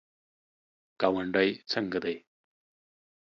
ګاونډی څنګه دی؟